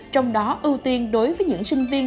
trong đó ưu tiên đối với những sinh viên